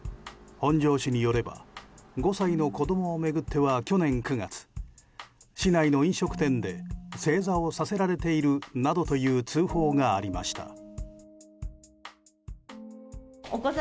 本庄市によれば５歳の子供を巡っては去年９月市内の飲食店で正座をさせられているなどの通報がありました。